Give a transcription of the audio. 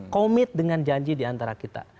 komit dengan janji diantara kita